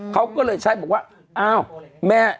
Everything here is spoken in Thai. เขาก็เลยใช้บอกว่า